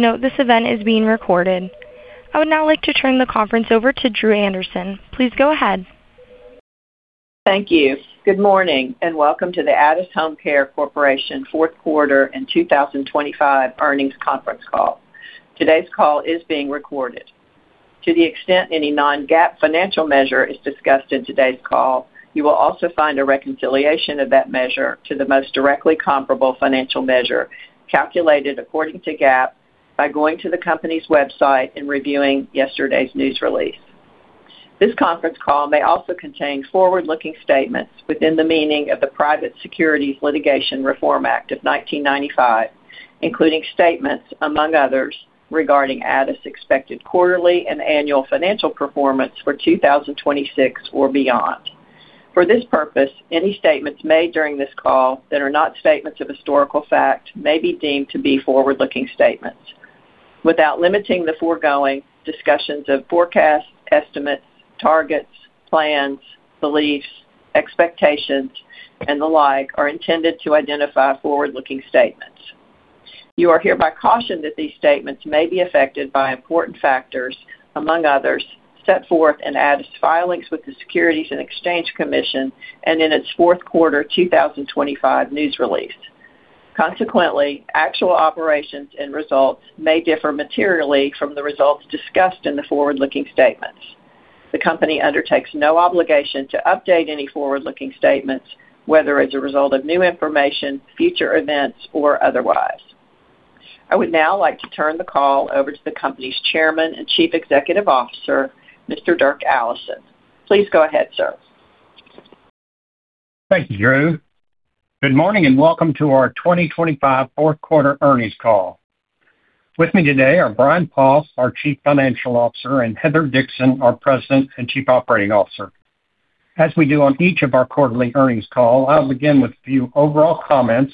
Note, this event is being recorded. I would now like to turn the conference over to Dru Anderson. Please go ahead. Thank you. Good morning, and welcome to the Addus HomeCare Corporation Fourth Quarter and 2025 earnings conference call. Today's call is being recorded. To the extent any non-GAAP financial measure is discussed in today's call, you will also find a reconciliation of that measure to the most directly comparable financial measure, calculated according to GAAP, by going to the company's website and reviewing yesterday's news release. This conference call may also contain forward-looking statements within the meaning of the Private Securities Litigation Reform Act of 1995, including statements, among others, regarding Addus expected quarterly and annual financial performance for 2026 or beyond. For this purpose, any statements made during this call that are not statements of historical fact may be deemed to be forward-looking statements. Without limiting the foregoing, discussions of forecasts, estimates, targets, plans, beliefs, expectations, and the like are intended to identify forward-looking statements. You are hereby cautioned that these statements may be affected by important factors, among others, set forth in Addus filings with the Securities and Exchange Commission and in its fourth quarter 2025 news release. Consequently, actual operations and results may differ materially from the results discussed in the forward-looking statements. The company undertakes no obligation to update any forward-looking statements, whether as a result of new information, future events, or otherwise. I would now like to turn the call over to the company's chairman and chief executive officer, Mr. Dirk Allison. Please go ahead, sir. Thank you, Dru. Good morning, and welcome to our 2025 fourth quarter earnings call. With me today are Brian Poff, our Chief Financial Officer, and Heather Dixon, our President and Chief Operating Officer. As we do on each of our quarterly earnings call, I'll begin with a few overall comments,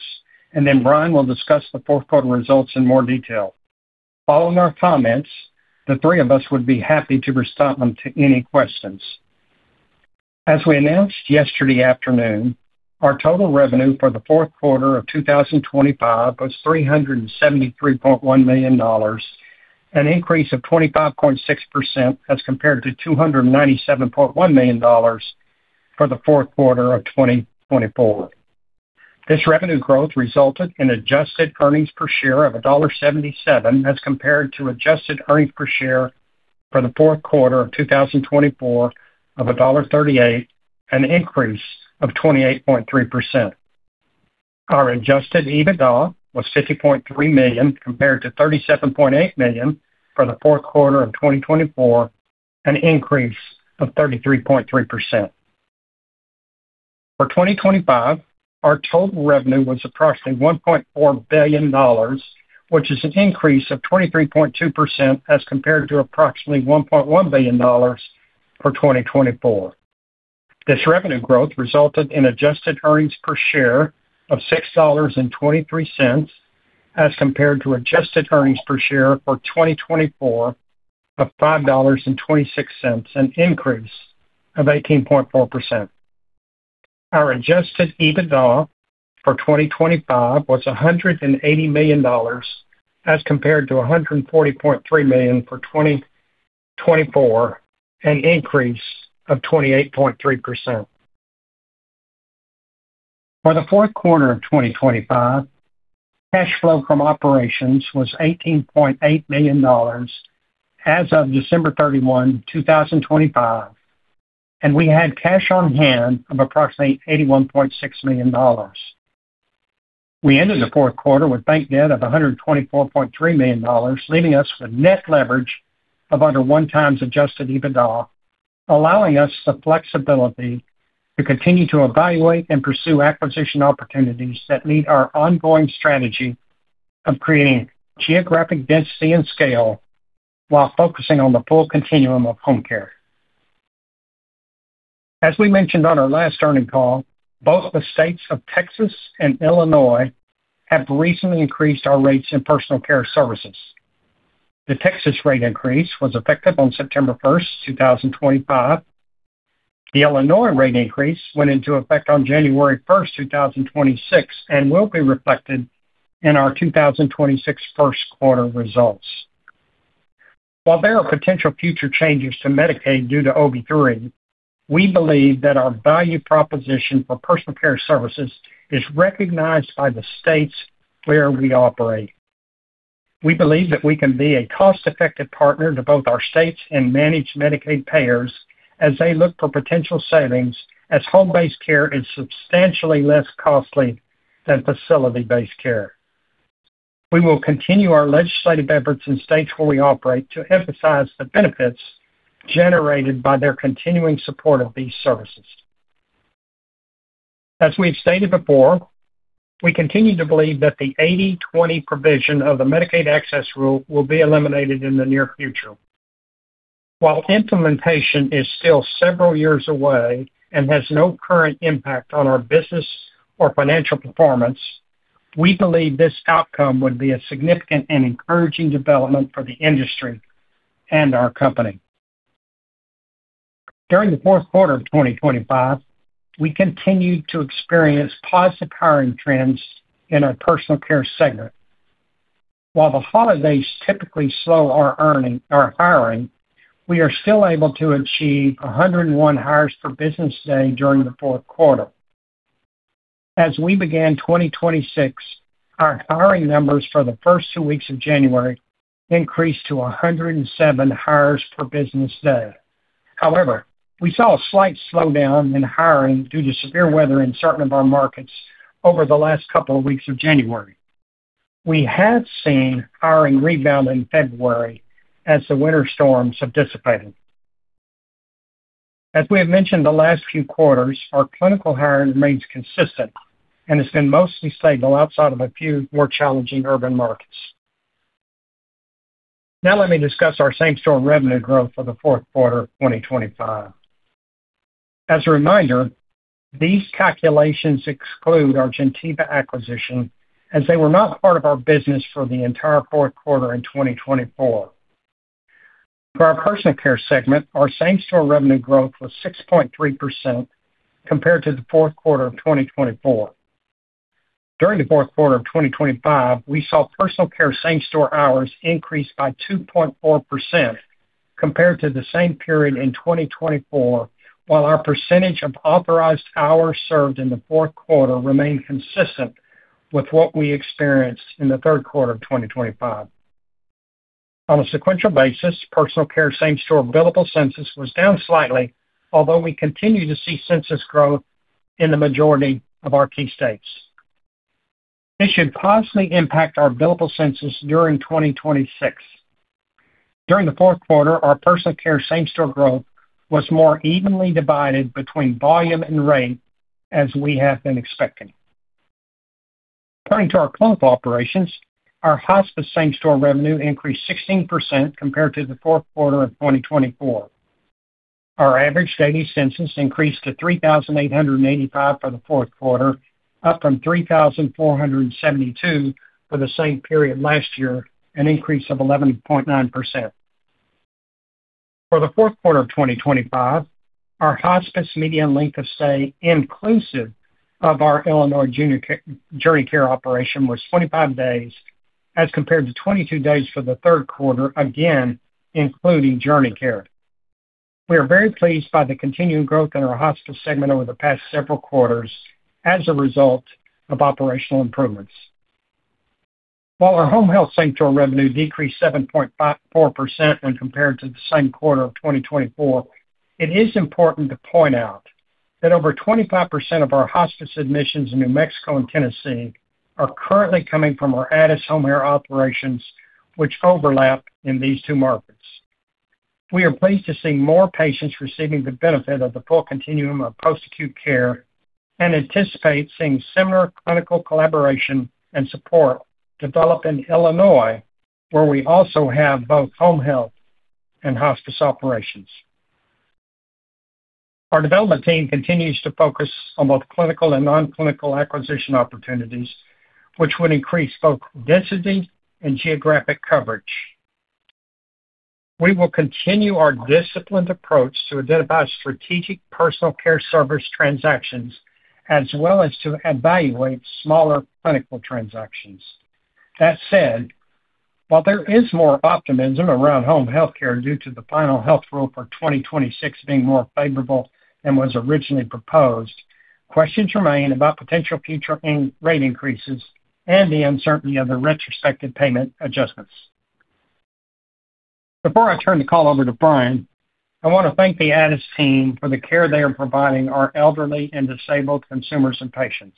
and then Brian will discuss the fourth quarter results in more detail. Following our comments, the three of us would be happy to respond to any questions. As we announced yesterday afternoon, our total revenue for the fourth quarter of 2025 was $373.1 million, an increase of 25.6% as compared to $297.1 million for the fourth quarter of 2024. This revenue growth resulted in adjusted earnings per share of $1.77, as compared to adjusted earnings per share for the fourth quarter of 2024 of $1.38, an increase of 28.3%. Our adjusted EBITDA was $50.3 million, compared to $37.8 million for the fourth quarter of 2024, an increase of 33.3%. For 2025, our total revenue was approximately $1.4 billion, which is an increase of 23.2% as compared to approximately $1.1 billion for 2024. This revenue growth resulted in adjusted earnings per share of $6.23, as compared to adjusted earnings per share for 2024 of $5.26, an increase of 18.4%. Our adjusted EBITDA for 2025 was $180 million, as compared to $140.3 million for 2024, an increase of 28.3%. For the fourth quarter of 2025, cash flow from operations was $18.8 million as of December 31, 2025, and we had cash on hand of approximately $81.6 million. We ended the fourth quarter with bank debt of $124.3 million, leaving us with net leverage of under 1x adjusted EBITDA, allowing us the flexibility to continue to evaluate and pursue acquisition opportunities that meet our ongoing strategy of creating geographic density and scale while focusing on the full continuum of Home Care. As we mentioned on our last earnings call, both the states of Texas and Illinois have recently increased our rates in Personal Care Services. The Texas rate increase was effective on September 1st, 2025. The Illinois rate increase went into effect on January 1st, 2026, and will be reflected in our 2026 first quarter results. While there are potential future changes to Medicaid due to OBBBA, we believe that our value proposition for Personal Care Services is recognized by the states where we operate. We believe that we can be a cost-effective partner to both our states and managed Medicaid payers as they look for potential savings, as home-based care is substantially less costly than facility-based care. We will continue our legislative efforts in states where we operate to emphasize the benefits generated by their continuing support of these services. As we've stated before, we continue to believe that the 80/20 provision of the Medicaid Access Rule will be eliminated in the near future. While implementation is still several years away and has no current impact on our business or financial performance, we believe this outcome would be a significant and encouraging development for the industry and our company. During the fourth quarter of 2025, we continued to experience positive hiring trends in our personal care segment. While the holidays typically slow our hiring, we are still able to achieve 101 hires per business day during the fourth quarter. As we began 2026, our hiring numbers for the first two weeks of January increased to 107 hires per business day. We saw a slight slowdown in hiring due to severe weather in certain of our markets over the last couple of weeks of January. We have seen hiring rebound in February as the winter storms have dissipated. As we have mentioned, the last few quarters, our clinical hiring remains consistent and has been mostly stable outside of a few more challenging urban markets. Let me discuss our same-store revenue growth for the fourth quarter of 2025. As a reminder, these calculations exclude our Gentiva acquisition, as they were not part of our business for the entire fourth quarter in 2024. For our personal care segment, our same-store revenue growth was 6.3% compared to the fourth quarter of 2024. During the fourth quarter of 2025, we saw personal care same-store hours increase by 2.4% compared to the same period in 2024, while our percentage of authorized hours served in the fourth quarter remained consistent with what we experienced in the third quarter of 2025. On a sequential basis, personal care same-store billable census was down slightly, although we continue to see census growth in the majority of our key states. This should positively impact our billable census during 2026. During the fourth quarter, our personal care same-store growth was more evenly divided between volume and rate, as we have been expecting. Turning to our clinical operations, our Hospice same-store revenue increased 16% compared to the fourth quarter of 2024. Our average daily census increased to 3,885 for the fourth quarter, up from 3,472 for the same period last year, an increase of 11.9%. For the fourth quarter of 2025, our Hospice median length of stay, inclusive of our Illinois JourneyCare operation, was 25 days, as compared to 22 days for the third quarter, again, including JourneyCare. We are very pleased by the continuing growth in our Hospice segment over the past several quarters as a result of operational improvements. While our Home Health same-store revenue decreased 7.54% when compared to the same quarter of 2024, it is important to point out that over 25% of our Hospice admissions in New Mexico and Tennessee are currently coming from our Addus HomeCare operations, which overlap in these two markets. We are pleased to see more patients receiving the benefit of the full continuum of post-acute care and anticipate seeing similar clinical collaboration and support develop in Illinois, where we also have both Home Health and Hospice operations. Our development team continues to focus on both clinical and non-clinical acquisition opportunities, which would increase both density and geographic coverage. We will continue our disciplined approach to identify strategic personal care service transactions, as well as to evaluate smaller clinical transactions. That said, while there is more optimism around Home Health care due to the final health rule for 2026 being more favorable than was originally proposed, questions remain about potential future in rate increases and the uncertainty of the retrospective payment adjustments. Before I turn the call over to Brian, I want to thank the Addus team for the care they are providing our elderly and disabled consumers and patients.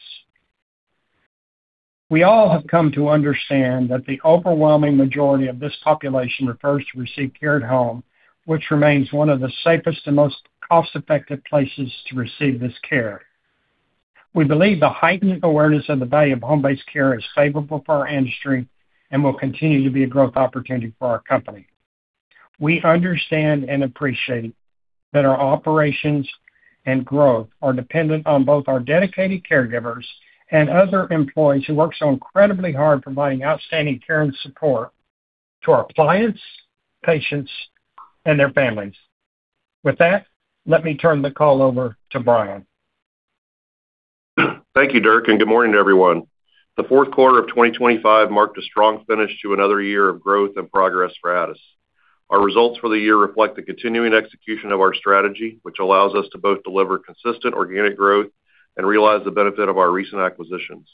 We all have come to understand that the overwhelming majority of this population prefers to receive care at home, which remains one of the safest and most cost-effective places to receive this care. We believe the heightened awareness of the value of home-based care is favorable for our industry and will continue to be a growth opportunity for our company. We understand and appreciate that our operations and growth are dependent on both our dedicated caregivers and other employees who work so incredibly hard providing outstanding care and support to our clients, patients, and their families. With that, let me turn the call over to Brian. Thank you, Dirk, and good morning to everyone. The fourth quarter of 2025 marked a strong finish to another year of growth and progress for Addus. Our results for the year reflect the continuing execution of our strategy, which allows us to both deliver consistent organic growth and realize the benefit of our recent acquisitions.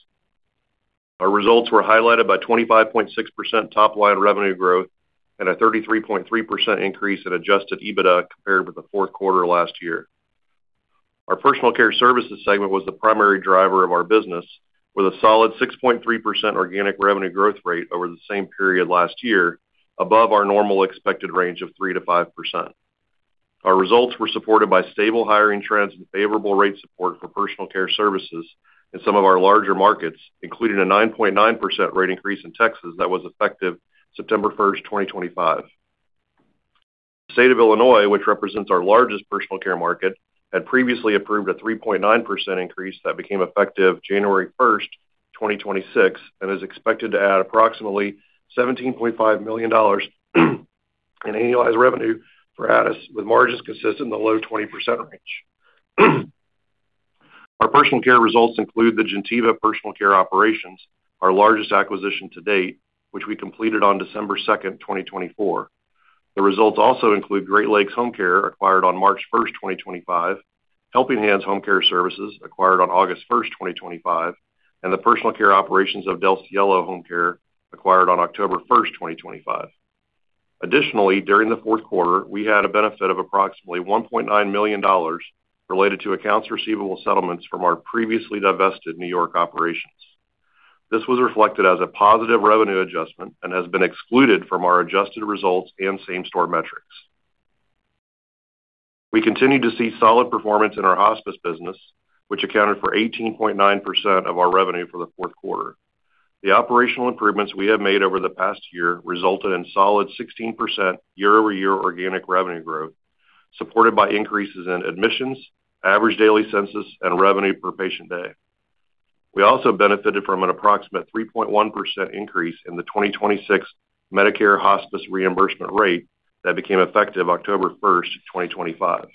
Our results were highlighted by 25.6% top-line revenue growth and a 33.3% increase in adjusted EBITDA compared with the fourth quarter last year. Our Personal Care Services segment was the primary driver of our business, with a solid 6.3% organic revenue growth rate over the same period last year, above our normal expected range of 3%-5%. Our results were supported by stable hiring trends and favorable rate support for Personal Care Services in some of our larger markets, including a 9.9% rate increase in Texas that was effective September 1st, 2025. The State of Illinois, which represents our largest personal care market, had previously approved a 3.9% increase that became effective January 1st, 2026, and is expected to add approximately $17.5 million in annualized revenue for Addus, with margins consistent in the low 20% range. Our personal care results include the Gentiva personal care operations, our largest acquisition to date, which we completed on December 2nd, 2024. The results also include Great Lakes Home Care, acquired on March 1st, 2025, Helping Hands Home Care Service, acquired on August 1st, 2025, and the personal care operations of Del Cielo Home Care, acquired on October 1st, 2025. During the fourth quarter, we had a benefit of approximately $1.9 million related to accounts receivable settlements from our previously divested New York operations. This was reflected as a positive revenue adjustment and has been excluded from our adjusted results and same-store metrics. We continued to see solid performance in our Hospice business, which accounted for 18.9% of our revenue for the fourth quarter. The operational improvements we have made over the past year resulted in solid 16% year-over-year organic revenue growth, supported by increases in admissions, average daily census, and revenue per patient day. We also benefited from an approximate 3.1% increase in the 2026 Medicare Hospice reimbursement rate that became effective October 1st, 2025.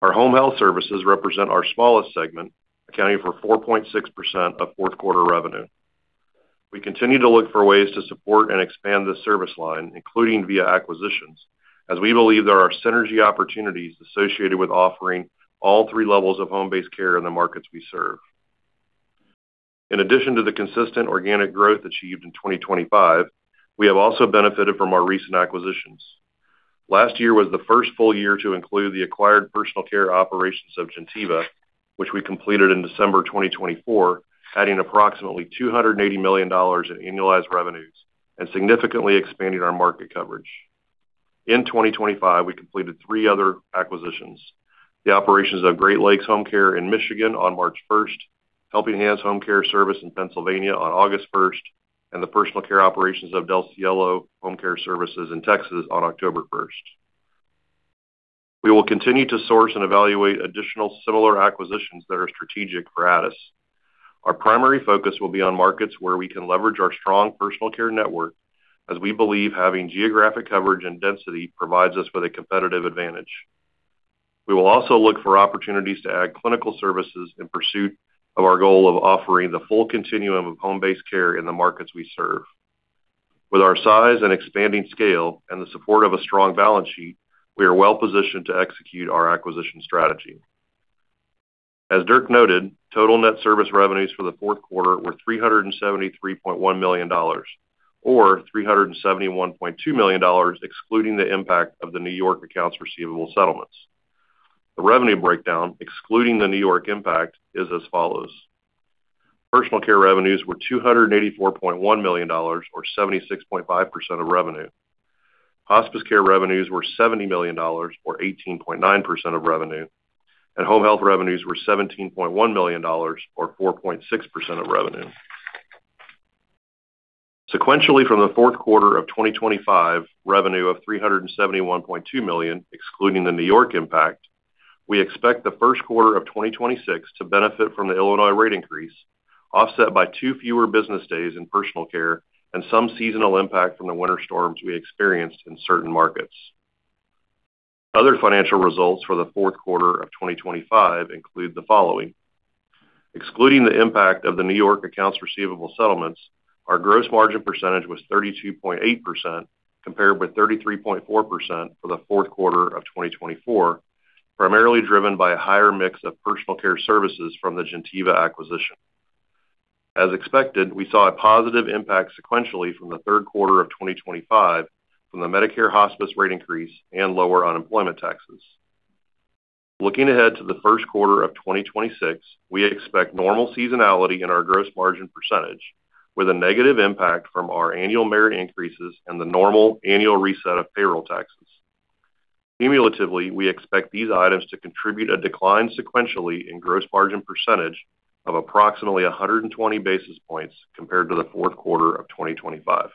Our Home Health services represent our smallest segment, accounting for 4.6% of fourth quarter revenue. We continue to look for ways to support and expand this service line, including via acquisitions, as we believe there are synergy opportunities associated with offering all three levels of home-based care in the markets we serve. In addition to the consistent organic growth achieved in 2025, we have also benefited from our recent acquisitions. Last year was the first full year to include the acquired personal care operations of Gentiva, which we completed in December 2024, adding approximately $280 million in annualized revenues and significantly expanding our market coverage. In 2025, we completed three other acquisitions: the operations of Great Lakes Home Care in Michigan on March 1st, Helping Hands Home Care Service in Pennsylvania on August 1st, and the personal care operations of Del Cielo Home Care Services in Texas on October 1st. We will continue to source and evaluate additional similar acquisitions that are strategic for Addus. Our primary focus will be on markets where we can leverage our strong personal care network, as we believe having geographic coverage and density provides us with a competitive advantage. We will also look for opportunities to add clinical services in pursuit of our goal of offering the full continuum of home-based care in the markets we serve. With our size and expanding scale and the support of a strong balance sheet, we are well positioned to execute our acquisition strategy. As Dirk noted, total net service revenues for the fourth quarter were $373.1 million, or $371.2 million, excluding the impact of the New York accounts receivable settlements. The revenue breakdown, excluding the New York impact, is as follows: Personal care revenues were $284.1 million, or 76.5% of revenue. Hospice care revenues were $70 million, or 18.9% of revenue, and Home Health revenues were $17.1 million, or 4.6% of revenue. Sequentially, from the fourth quarter of 2025, revenue of $371.2 million, excluding the New York impact, we expect the first quarter of 2026 to benefit from the Illinois rate increase, offset by two fewer business days in personal care and some seasonal impact from the winter storms we experienced in certain markets. Other financial results for the fourth quarter of 2025 include the following: excluding the impact of the New York accounts receivable settlements, our gross margin percentage was 32.8%, compared with 33.4% for the fourth quarter of 2024, primarily driven by a higher mix of Personal Care Services from the Gentiva acquisition. As expected, we saw a positive impact sequentially from the third quarter of 2025 from the Medicare Hospice rate increase and lower unemployment taxes. Looking ahead to the first quarter of 2026, we expect normal seasonality in our gross margin %, with a negative impact from our annual merit increases and the normal annual reset of payroll taxes. Cumulatively, we expect these items to contribute a decline sequentially in gross margin % of approximately 120 basis points compared to the fourth quarter of 2025.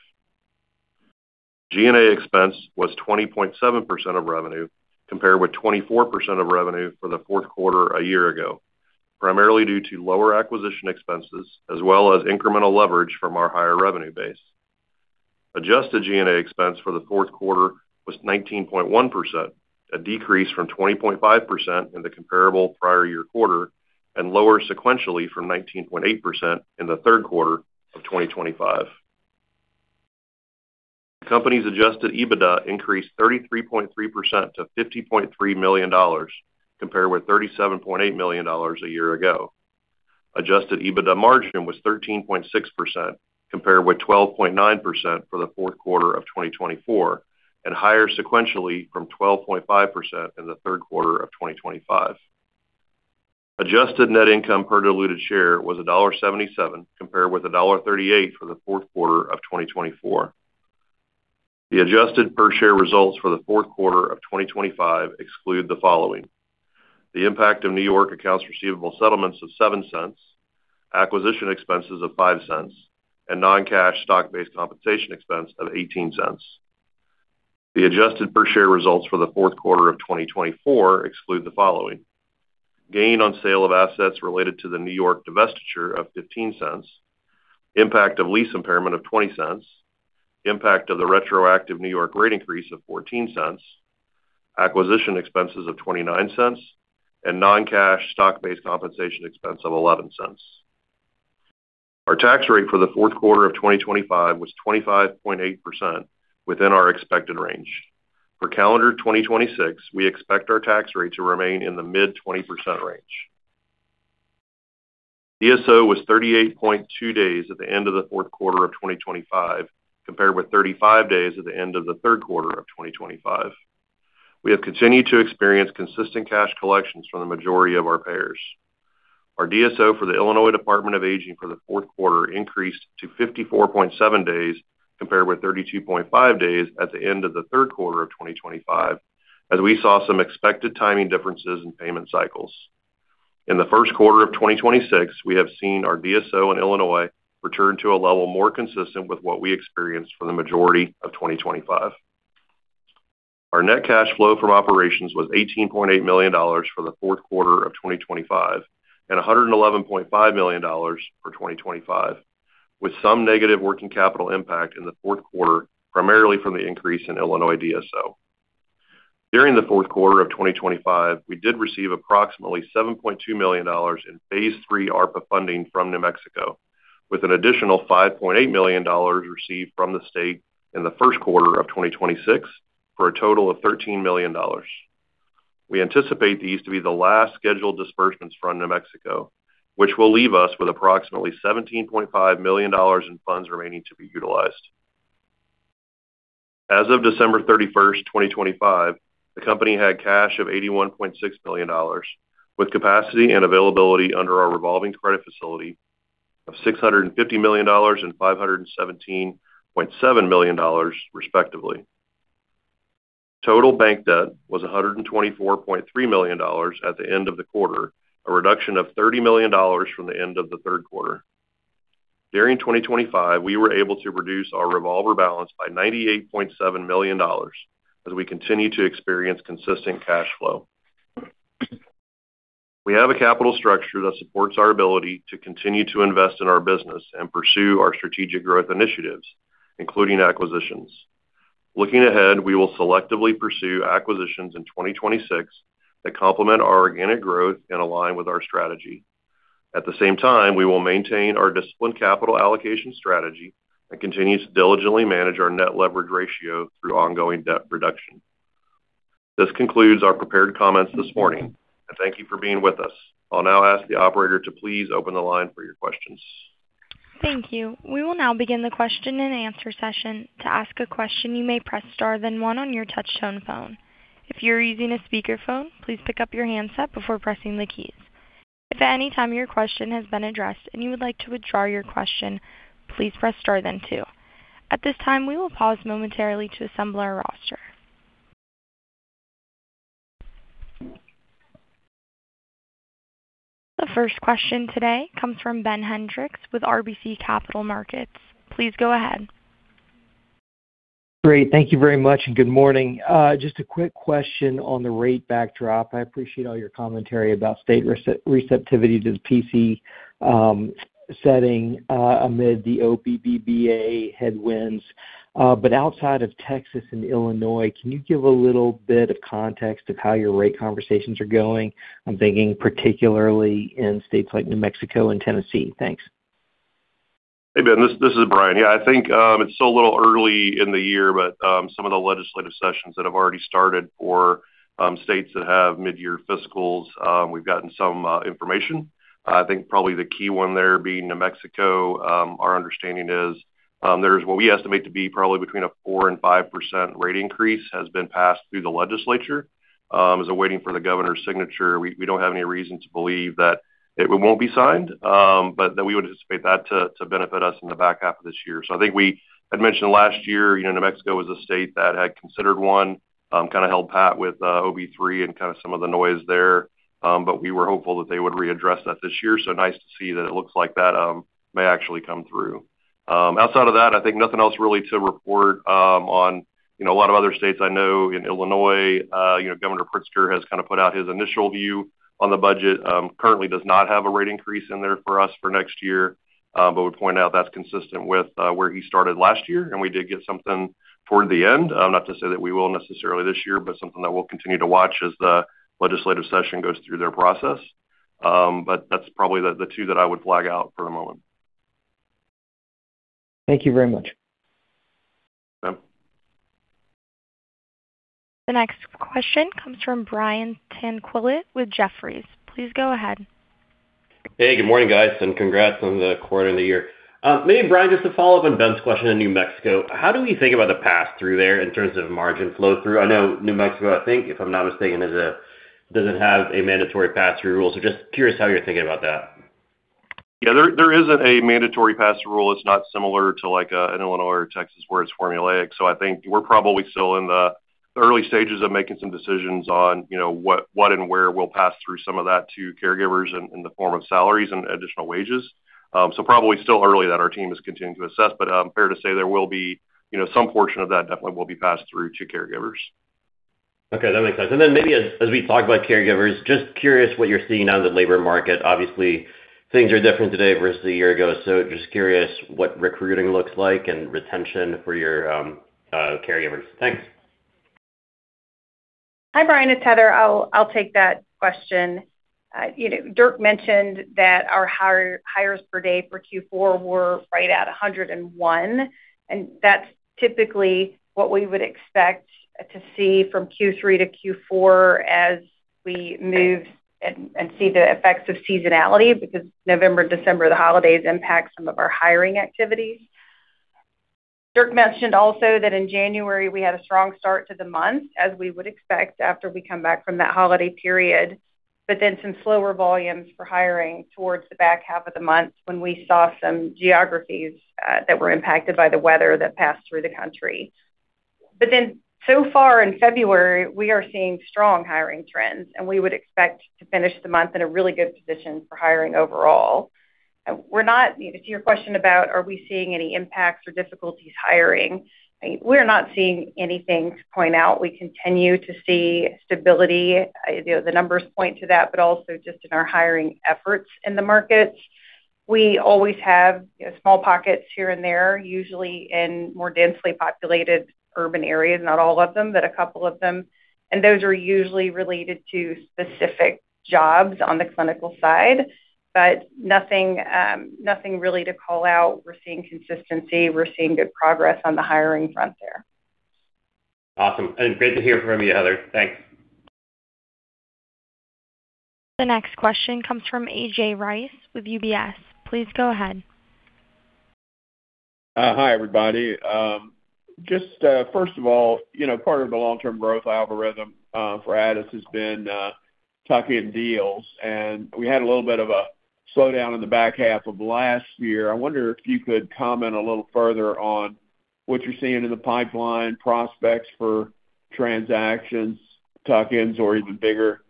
G&A expense was 20.7% of revenue, compared with 24% of revenue for the fourth quarter a year ago, primarily due to lower acquisition expenses as well as incremental leverage from our higher revenue base. Adjusted G&A expense for the fourth quarter was 19.1%, a decrease from 20.5% in the comparable prior year quarter, and lower sequentially from 19.8% in the third quarter of 2025. Company's adjusted EBITDA increased 33.3% to $50.3 million, compared with $37.8 million a year ago. Adjusted EBITDA margin was 13.6%, compared with 12.9% for the fourth quarter of 2024, and higher sequentially from 12.5% in the third quarter of 2025. Adjusted net income per diluted share was $1.77, compared with $1.38 for the fourth quarter of 2024. The adjusted per share results for the fourth quarter of 2025 exclude the following: the impact of New York accounts receivable settlements of $0.07, acquisition expenses of $0.05, and non-cash stock-based compensation expense of $0.18. The adjusted per share results for the fourth quarter of 2024 exclude the following: Gain on sale of assets related to the New York divestiture of $0.15, impact of lease impairment of $0.20, impact of the retroactive New York rate increase of $0.14, acquisition expenses of $0.29, and non-cash stock-based compensation expense of $0.11. Our tax rate for the fourth quarter of 2025 was 25.8% within our expected range. For calendar 2026, we expect our tax rate to remain in the mid-20% range. DSO was 38.2 days at the end of the fourth quarter of 2025, compared with 35 days at the end of the third quarter of 2025. We have continued to experience consistent cash collections from the majority of our payers. Our DSO for the Illinois Department on Aging for the fourth quarter increased to 54.7 days, compared with 32.5 days at the end of the third quarter of 2025, as we saw some expected timing differences in payment cycles. In the first quarter of 2026, we have seen our DSO in Illinois return to a level more consistent with what we experienced for the majority of 2025. Our net cash flow from operations was $18.8 million for the fourth quarter of 2025, and $111.5 million for 2025, with some negative working capital impact in the fourth quarter, primarily from the increase in Illinois DSO. During the fourth quarter of 2025, we did receive approximately $7.2 million in phase 3 ARPA funding from New Mexico, with an additional $5.8 million received from the state in the first quarter of 2026, for a total of $13 million. We anticipate these to be the last scheduled disbursements from New Mexico, which will leave us with approximately $17.5 million in funds remaining to be utilized. As of December 31st, 2025, the company had cash of $81.6 million, with capacity and availability under our revolving credit facility of $650 million and $517.7 million, respectively. Total bank debt was $124.3 million at the end of the quarter, a reduction of $30 million from the end of the third quarter. During 2025, we were able to reduce our revolver balance by $98.7 million as we continue to experience consistent cash flow. We have a capital structure that supports our ability to continue to invest in our business and pursue our strategic growth initiatives, including acquisitions. Looking ahead, we will selectively pursue acquisitions in 2026 that complement our organic growth and align with our strategy. At the same time, we will maintain our disciplined capital allocation strategy and continue to diligently manage our net leverage ratio through ongoing debt reduction. This concludes our prepared comments this morning, and thank you for being with us. I'll now ask the operator to please open the line for your questions. Thank you. We will now begin the question-and-answer session. To ask a question, you may press star then one on your touch-tone phone. If you're using a speakerphone, please pick up your handset before pressing the keys. If at any time your question has been addressed and you would like to withdraw your question, please press star then two. At this time, we will pause momentarily to assemble our roster. The first question today comes from Ben Hendrix with RBC Capital Markets. Please go ahead. Great. Thank you very much, and good morning. Just a quick question on the rate backdrop. I appreciate all your commentary about state receptivity to the PC setting amid the OBBBA headwinds. Outside of Texas and Illinois, can you give a little bit of context of how your rate conversations are going? I'm thinking particularly in states like New Mexico and Tennessee. Thanks. Hey, Ben, this is Brian. Yeah, I think it's still a little early in the year, but some of the legislative sessions that have already started for states that have mid-year fiscals, we've gotten some information. I think probably the key one there being New Mexico. Our understanding is there's what we estimate to be probably between a 4% and 5% rate increase has been passed through the legislature, is awaiting for the governor's signature. We don't have any reason to believe that it won't be signed, but that we would anticipate that to benefit us in the back half of this year. I think we had mentioned last year, you know, New Mexico was a state that had considered one, kind of held pat with OBBBA and kind of some of the noise there. We were hopeful that they would readdress that this year. Nice to see that it looks like that may actually come through. Outside of that, I think nothing else really to report on, you know, a lot of other states. I know in Illinois, you know, Governor Pritzker has kind of put out his initial view on the budget. Currently does not have a rate increase in there for us for next year, but would point out that's consistent with where he started last year, and we did get something toward the end. Not to say that we will necessarily this year, but something that we'll continue to watch as the legislative session goes through their process. That's probably the two that I would flag out for the moment. Thank you very much. Yeah. The next question comes from Brian Tanquilut with Jefferies. Please go ahead. Hey, good morning, guys, and congrats on the quarter of the year. Maybe, Brian, just to follow up on Ben's question on New Mexico, how do we think about the pass-through there in terms of margin flow-through? I know New Mexico, I think, if I'm not mistaken, doesn't have a mandatory pass-through rule. Just curious how you're thinking about that. Yeah, there isn't a mandatory pass-through rule. It's not similar to, like an Illinois or Texas, where it's formulaic. I think we're probably still in the early stages of making some decisions on, you know, what and where we'll pass through some of that to caregivers in the form of salaries and additional wages. Probably still early that our team is continuing to assess, but fair to say there will be, you know, some portion of that definitely will be passed through to caregivers. Okay, that makes sense. maybe as we talk about caregivers, just curious what you're seeing out in the labor market. Obviously, things are different today versus a year ago, just curious what recruiting looks like and retention for your caregivers. Thanks. Hi, Brian, it's Heather. I'll take that question. You know, Dirk mentioned that our hires per day for Q4 were right at 101, and that's typically what we would expect to see from Q3 to Q4 as we move and see the effects of seasonality, because November, December, the holidays impact some of our hiring activities. Dirk mentioned also that in January, we had a strong start to the month, as we would expect after we come back from that holiday period, but then some slower volumes for hiring towards the back half of the month when we saw some geographies that were impacted by the weather that passed through the country. So far in February, we are seeing strong hiring trends, and we would expect to finish the month in a really good position for hiring overall. To your question about, are we seeing any impacts or difficulties hiring, we're not seeing anything to point out. We continue to see stability. You know, the numbers point to that, also just in our hiring efforts in the markets. We always have, you know, small pockets here and there, usually in more densely populated urban areas, not all of them, but a couple of them, those are usually related to specific jobs on the clinical side. Nothing, nothing really to call out. We're seeing consistency. We're seeing good progress on the hiring front there. Awesome. Great to hear from you, Heather. Thanks. The next question comes from A.J. Rice with UBS. Please go ahead. Hi, everybody. Just, first of all, you know, part of the long-term growth algorithm for Addus has been tucking deals, we had a little bit of a slowdown in the back half of last year. I wonder if you could comment a little further on what you're seeing in the pipeline, prospects for transactions, tuck-ins, or even bigger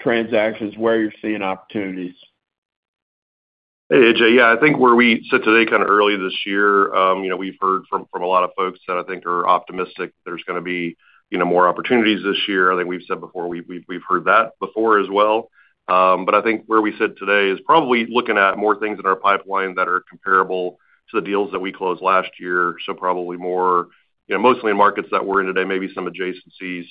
transactions, where you're seeing opportunities? Hey, A.J. Yeah, I think where we sit today, kind of early this year, you know, we've heard from a lot of folks that I think are optimistic there's gonna be, you know, more opportunities this year. I think we've said before, we've heard that before as well. I think where we sit today is probably looking at more things in our pipeline that are comparable to the deals that we closed last year. Probably more, you know, mostly in markets that we're in today, maybe some adjacencies,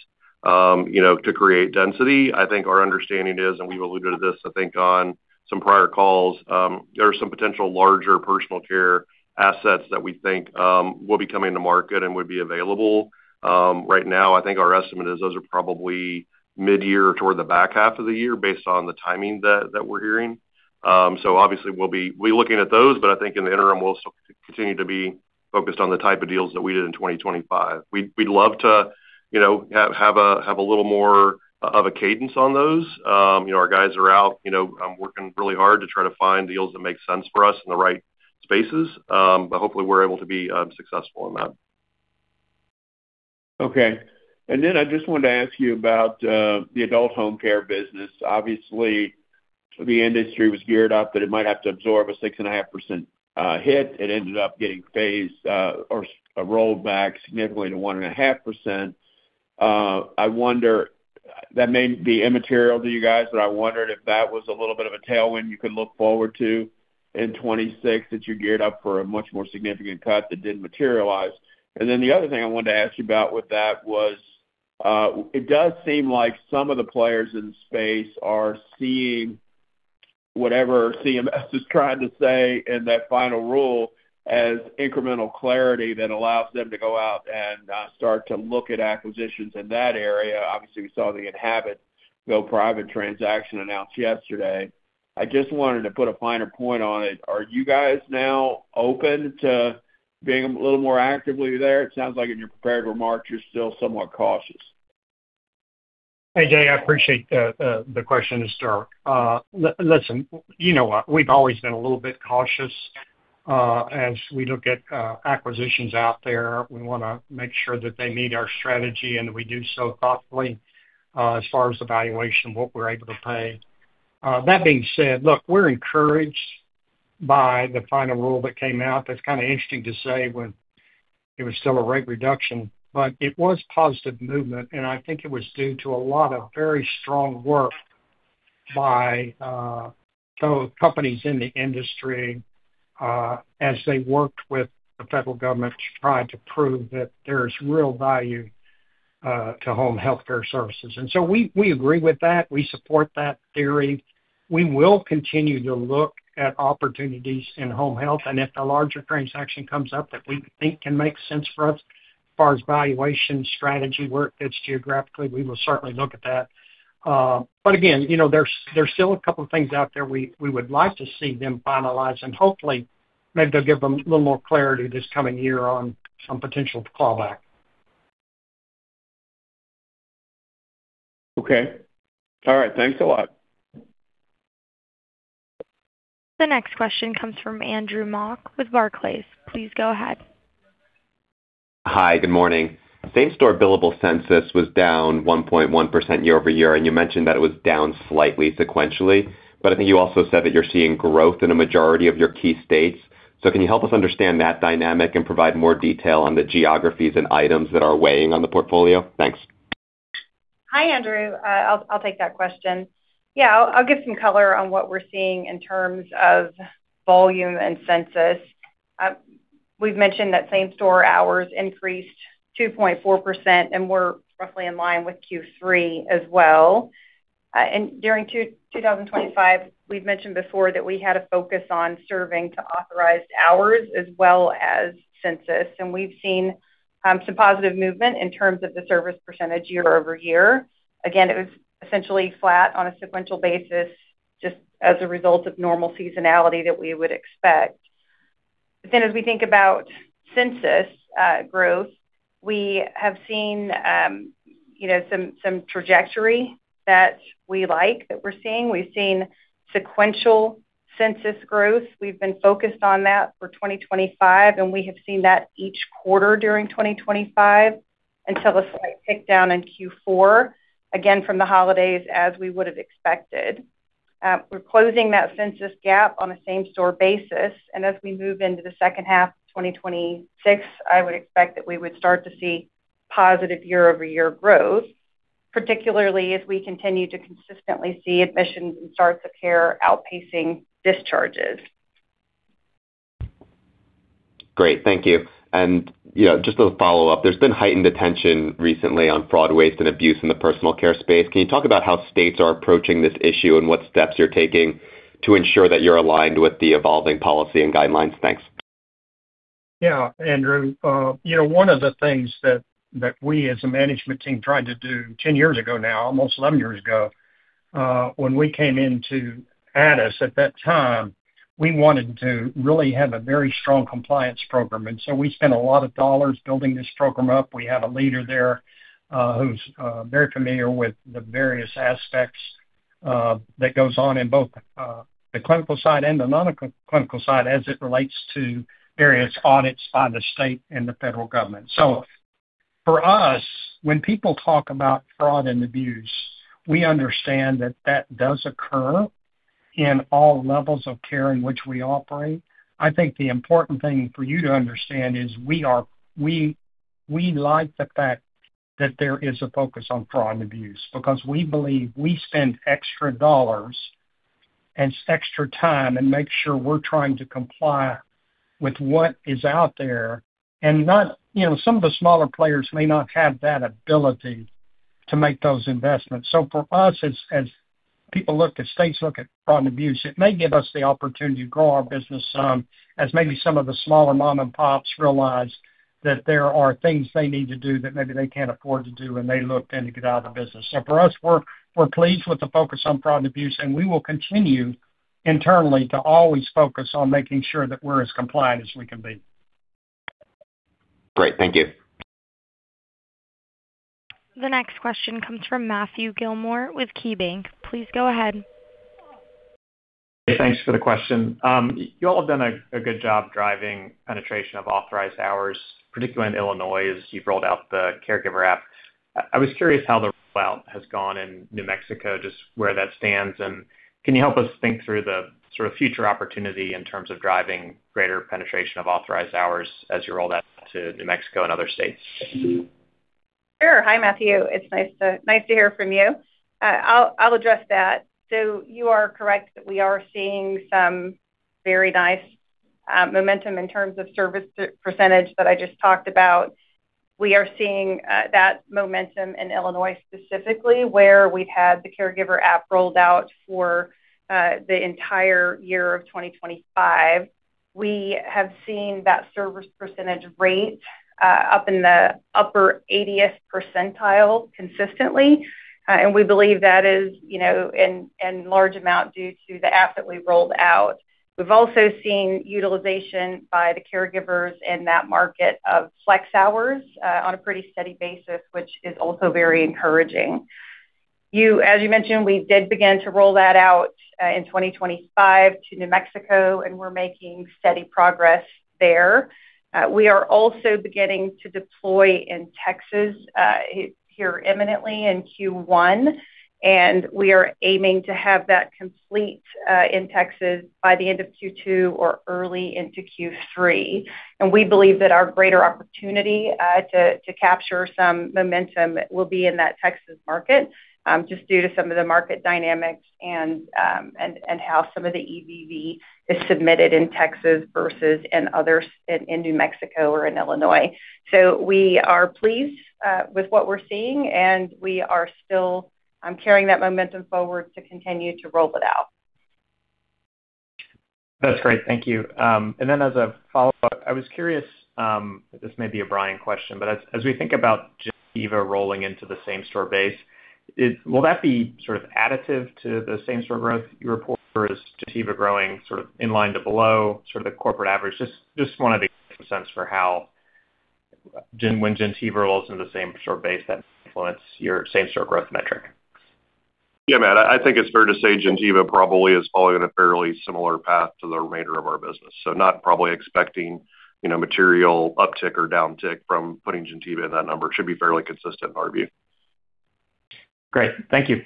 you know, to create density. I think our understanding is, and we've alluded to this, I think, on some prior calls, there are some potential larger personal care assets that we think will be coming to market and would be available. Right now, I think our estimate is those are probably mid-year toward the back half of the year, based on the timing that we're hearing. Obviously, we'll be looking at those, but I think in the interim, we'll still continue to be focused on the type of deals that we did in 2025. We'd love to, you know, have a little more of a cadence on those. You know, our guys are out, you know, working really hard to try to find deals that make sense for us in the right spaces, but hopefully we're able to be successful in that. Okay. I just wanted to ask you about the Adult Home Care business. Obviously, the industry was geared up that it might have to absorb a 6.5% hit. It ended up getting phased or rolled back significantly to 1.5%. I wonder, that may be immaterial to you guys, but I wondered if that was a little bit of a tailwind you could look forward to in 2026, that you geared up for a much more significant cut that didn't materialize. The other thing I wanted to ask you about with that was, it does seem like some of the players in the space are seeing whatever CMS is trying to say in that final rule as incremental clarity that allows them to go out and, start to look at acquisitions in that area. Obviously, we saw the Enhabit go private transaction announced yesterday. I just wanted to put a finer point on it. Are you guys now open to being a little more actively there? It sounds like in your prepared remarks, you're still somewhat cautious. Hey, A.J., I appreciate the question. It's Dirk. Listen, you know what? We've always been a little bit cautious as we look at acquisitions out there. We wanna make sure that they meet our strategy, and we do so thoughtfully as far as the valuation, what we're able to pay. That being said, look, we're encouraged by the final rule that came out. That's kind of interesting to say when it was still a rate reduction, but it was positive movement, and I think it was due to a lot of very strong work by some companies in the industry as they worked with the federal government to try to prove that there's real value to Home Healthcare Services. We agree with that. We support that theory. We will continue to look at opportunities in Home Health, if a larger transaction comes up that we think can make sense for us as far as valuation, strategy, where it fits geographically, we will certainly look at that. again, you know, there's still a couple of things out there we would like to see them finalize, and hopefully, maybe they'll give them a little more clarity this coming year on some potential callback. Okay. All right. Thanks a lot. The next question comes from Andrew Mok with Barclays. Please go ahead. Hi, good morning. Same-store billable census was down 1.1% year-over-year, and you mentioned that it was down slightly sequentially. I think you also said that you're seeing growth in a majority of your key states. Can you help us understand that dynamic and provide more detail on the geographies and items that are weighing on the portfolio? Thanks. Hi, Andrew. I'll take that question. Yeah, I'll give some color on what we're seeing in terms of volume and census. We've mentioned that same-store hours increased 2.4%, and we're roughly in line with Q3 as well. And during 2025, we've mentioned before that we had a focus on serving to authorized hours as well as census, and we've seen some positive movement in terms of the service percentage year-over-year. Again, it was essentially flat on a sequential basis, just as a result of normal seasonality that we would expect. As we think about census growth, we have seen, you know, some trajectory that we like, that we're seeing. We've seen sequential census growth. We've been focused on that for 2025, and we have seen that each quarter during 2025, until a slight tick down in Q4, again, from the holidays, as we would have expected. We're closing that census gap on a same-store basis, and as we move into the second half of 2026, I would expect that we would start to see positive year-over-year growth, particularly as we continue to consistently see admissions and starts of care outpacing discharges. Great. Thank you. You know, just to follow up, there's been heightened attention recently on fraud, waste, and abuse in the personal care space. Can you talk about how states are approaching this issue and what steps you're taking to ensure that you're aligned with the evolving policy and guidelines? Thanks. Yeah, Andrew. You know, one of the things that we as a management team tried to do 10 years ago now, almost 11 years ago, when we came into Addus, at that time, we wanted to really have a very strong compliance program. We spent a lot of dollars building this program up. We have a leader there, who's very familiar with the various aspects that goes on in both the clinical side and the nonclinical side as it relates to various audits by the state and the federal government. When people talk about fraud and abuse, we understand that that does occur in all levels of care in which we operate. I think the important thing for you to understand is we like the fact that there is a focus on fraud and abuse because we believe we spend extra dollars and extra time and make sure we're trying to comply with what is out there. Not, you know, some of the smaller players may not have that ability to make those investments. For us, as people look, as states look at fraud and abuse, it may give us the opportunity to grow our business some, as maybe some of the smaller mom-and-pops realize that there are things they need to do that maybe they can't afford to do, they look then to get out of the business. For us, we're pleased with the focus on fraud and abuse, and we will continue internally to always focus on making sure that we're as compliant as we can be. Great. Thank you. The next question comes from Matthew Gillmor with KeyBanc. Please go ahead. Thanks for the question. You all have done a good job driving penetration of authorized hours, particularly in Illinois, as you've rolled out the caregiver app, Addus Connect. I was curious how the rollout has gone in New Mexico, just where that stands, and can you help us think through the sort of future opportunity in terms of driving greater penetration of authorized hours as you roll that to New Mexico and other states? Sure. Hi, Matthew. It's nice to hear from you. I'll address that. You are correct that we are seeing some very nice momentum in terms of service percentage that I just talked about. We are seeing that momentum in Illinois, specifically, where we've had the caregiver app, Addus Connect rolled out for the entire year of 2025. We have seen that service percentage rate up in the upper eightieth percentile consistently, and we believe that is, you know, in large amount due to the app that we rolled out. We've also seen utilization by the caregivers in that market of flex hours on a pretty steady basis, which is also very encouraging. As you mentioned, we did begin to roll that out in 2025 to New Mexico, and we're making steady progress there. We are also beginning to deploy in Texas here imminently in Q1. We are aiming to have that complete in Texas by the end of Q2 or early into Q3. We believe that our greater opportunity to capture some momentum will be in that Texas market just due to some of the market dynamics and how some of the EVV is submitted in Texas versus in others, in New Mexico or in Illinois. We are pleased with what we're seeing, and we are still carrying that momentum forward to continue to roll it out. That's great. Thank you. As a follow-up, I was curious, this may be a Brian question, but as we think about Gentiva rolling into the same-store base, will that be sort of additive to the same-store growth you report, or is Gentiva growing sort of inline to below sort of the corporate average? Just wanted to get a sense for when Gentiva rolls into the same-store base, that influence your same-store growth metric? Yeah, Matt, I think it's fair to say Gentiva probably is following in a fairly similar path to the remainder of our business, not probably expecting, you know, material uptick or downtick from putting Gentiva in that number. It should be fairly consistent in our view. Great. Thank you.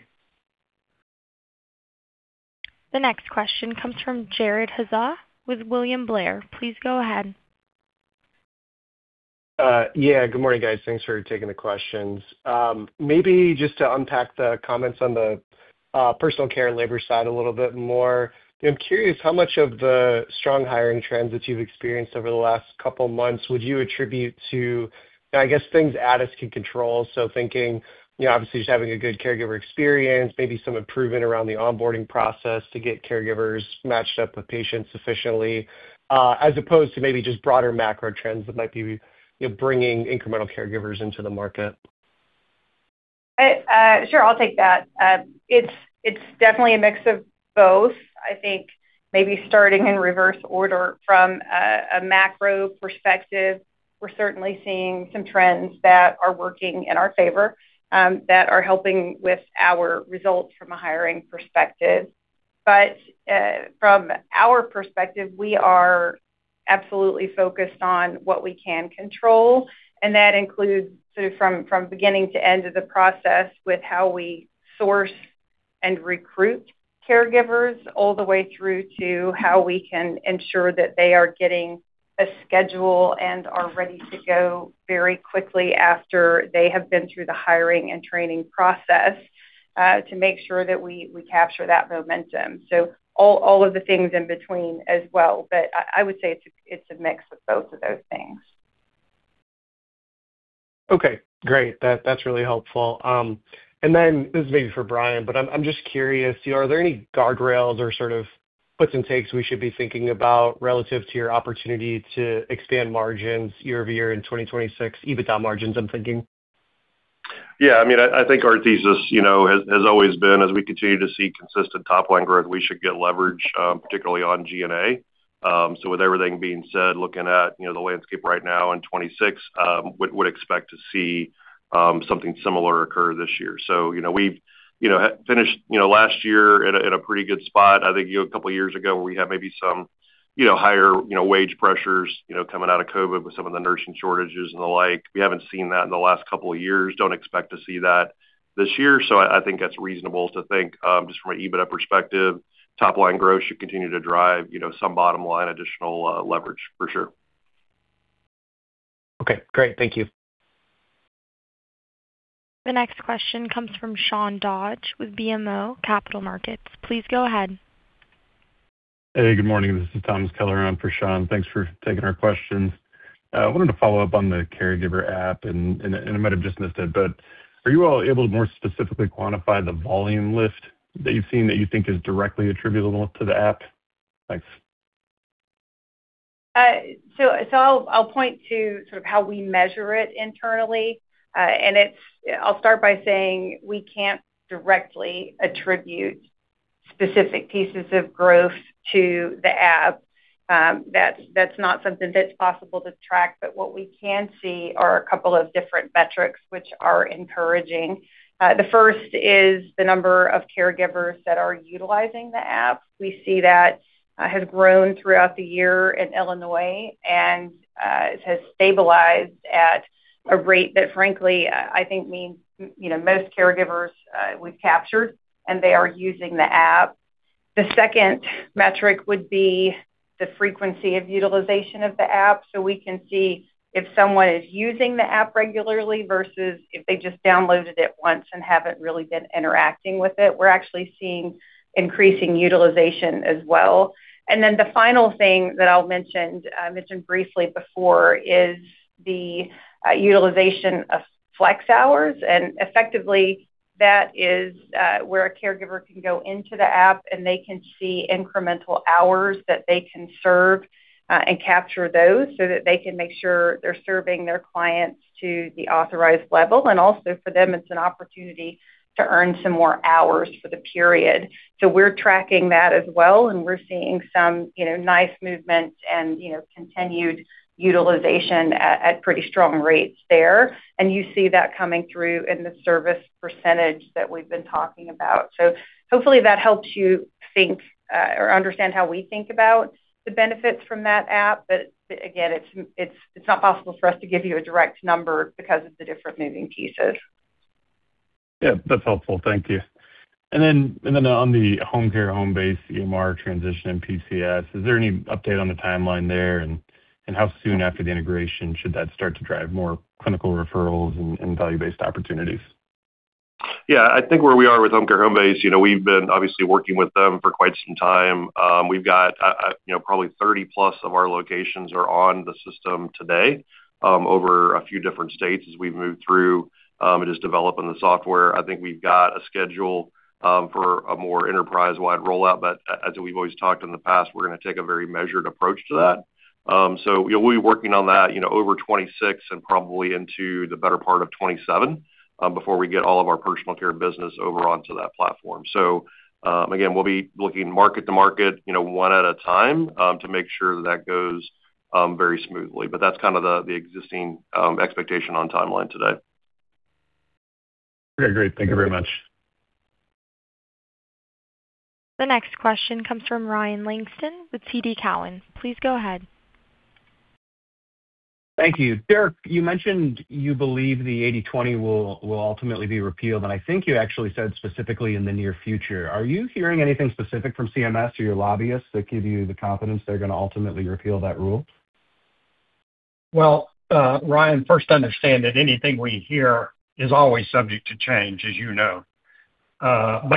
The next question comes from Jared Haase with William Blair. Please go ahead. Yeah, good morning, guys. Thanks for taking the questions. Maybe just to unpack the comments on the personal care and labor side a little bit more. I'm curious how much of the strong hiring trends that you've experienced over the last couple of months would you attribute to, I guess, things Addus can control? Thinking, you know, obviously just having a good caregiver experience, maybe some improvement around the onboarding process to get caregivers matched up with patients efficiently, as opposed to maybe just broader macro trends that might be, you know, bringing incremental caregivers into the market. Sure, I'll take that. It's definitely a mix of both. I think maybe starting in reverse order from a macro perspective, we're certainly seeing some trends that are working in our favor, that are helping with our results from a hiring perspective. From our perspective, we are absolutely focused on what we can control, and that includes from beginning to end of the process with how we source and recruit caregivers, all the way through to how we can ensure that they are getting a schedule and are ready to go very quickly after they have been through the hiring and training process, to make sure that we capture that momentum. All of the things in between as well. I would say it's a mix of both of those things. Okay, great. That's really helpful. Then this is maybe for Brian, but I'm just curious, you know, are there any guardrails or sort of puts and takes we should be thinking about relative to your opportunity to expand margins year-over-year in 2026, EBITDA margins, I'm thinking? Yeah, I mean, I think our thesis, you know, has always been, as we continue to see consistent top line growth, we should get leverage, particularly on G&A. With everything being said, looking at, you know, the landscape right now in 2026, would expect to see something similar occur this year. You know, we've, you know, finished, you know, last year at a pretty good spot. I think, you know, a couple of years ago, we had maybe some, you know, higher, you know, wage pressures, you know, coming out of COVID with some of the nursing shortages and the like. We haven't seen that in the last couple of years. Don't expect to see that this year. I think that's reasonable to think, just from an EBITDA perspective, top line growth should continue to drive, you know, some bottom line additional leverage for sure. Okay, great. Thank you. The next question comes from Sean Dodge with BMO Capital Markets. Please go ahead. Hey, good morning. This is Thomas Keller in for Sean. Thanks for taking our questions. I wanted to follow up on the Addus Connect, and I might have just missed it, but are you all able to more specifically quantify the volume lift that you've seen that you think is directly attributable to the app? Thanks. I'll point to sort of how we measure it internally. I'll start by saying we can't directly attribute specific pieces of growth to the app. That's not something that's possible to track. What we can see are a couple of different metrics which are encouraging. The first is the number of caregivers that are utilizing the app. We see that has grown throughout the year in Illinois and it has stabilized at a rate that, frankly, I think means, you know, most caregivers we've captured, and they are using the app. The second metric would be the frequency of utilization of the app. We can see if someone is using the app regularly versus if they just downloaded it once and haven't really been interacting with it. We're actually seeing increasing utilization as well. The final thing that I'll mention, mentioned briefly before, is the utilization of flex hours. Effectively, that is, where a caregiver can go into the app, and they can see incremental hours that they can serve, and capture those so that they can make sure they're serving their clients to the authorized level. Also for them, it's an opportunity to earn some more hours for the period. We're tracking that as well, and we're seeing some, you know, nice movement and, you know, continued utilization at pretty strong rates there. You see that coming through in the service percentage that we've been talking about. Hopefully, that helps you think or understand how we think about the benefits from that app. Again, it's not possible for us to give you a direct number because of the different moving pieces. Yeah, that's helpful. Thank you. Then, and then on the Homecare Homebase, EMR transition, and PCS, is there any update on the timeline there? And how soon after the integration should that start to drive more clinical referrals and value-based opportunities? I think where we are with Homecare Homebase, you know, we've been obviously working with them for quite some time. We've got, you know, probably 30 plus of our locations are on the system today, over a few different states as we've moved through and just developing the software. I think we've got a schedule for a more enterprise-wide rollout, but as we've always talked in the past, we're gonna take a very measured approach to that. We'll be working on that, you know, over 2026 and probably into the better part of 2027 before we get all of our personal care business over onto that platform. Again, we'll be looking market to market, you know, one at a time to make sure that goes very smoothly. That's kind of the existing expectation on timeline today. Okay, great. Thank you very much. The next question comes from Ryan Langston with TD Cowen. Please go ahead. Thank you. Dirk, you mentioned you believe the 80/20 will ultimately be repealed, and I think you actually said specifically in the near future. Are you hearing anything specific from CMS or your lobbyists that give you the confidence they're going to ultimately repeal that rule? Well, Ryan, first, understand that anything we hear is always subject to change, as you know.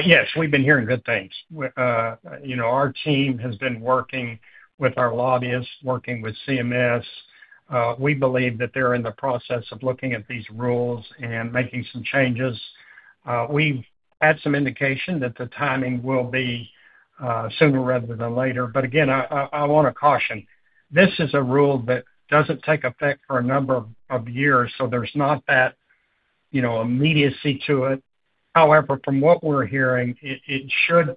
Yes, we've been hearing good things. You know, our team has been working with our lobbyists, working with CMS. We believe that they're in the process of looking at these rules and making some changes. We've had some indication that the timing will be sooner rather than later. Again, I want to caution, this is a rule that doesn't take effect for a number of years, so there's not that, you know, immediacy to it. From what we're hearing, it should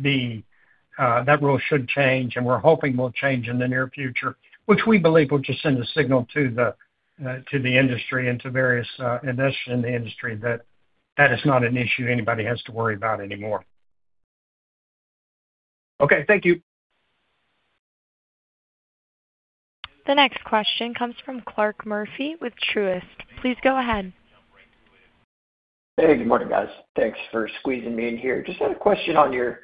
be, that rule should change, and we're hoping will change in the near future, which we believe will just send a signal to the industry and to various investors in the industry, that is not an issue anybody has to worry about anymore. Okay, thank you. The next question comes from Clarke Murphy with Truist. Please go ahead. Hey, good morning, guys. Thanks for squeezing me in here. Just had a question on your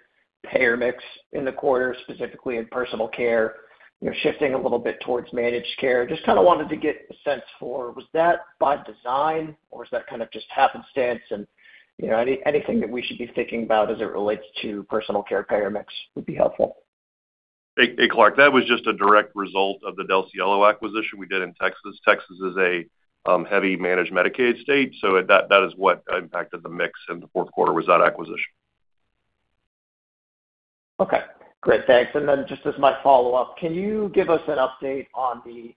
payer mix in the quarter, specifically in personal care. You're shifting a little bit towards managed care. Just kind of wanted to get a sense for, was that by design, or is that kind of just happenstance? You know, anything that we should be thinking about as it relates to personal care payer mix would be helpful. Hey, hey, Clarke. That was just a direct result of the Del Cielo acquisition we did in Texas. Texas is a heavy managed Medicaid state, so that is what impacted the mix in the fourth quarter, was that acquisition. Okay, great. Thanks. Just as my follow-up, can you give us an update on the